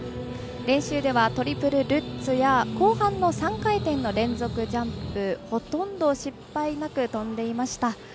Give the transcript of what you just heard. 練習ではトリプルルッツや後半の３回転の連続ジャンプほとんど失敗なく跳んでいました。